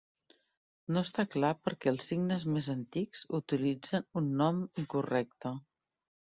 No està clar per què els signes més antics utilitzen un nom incorrecte.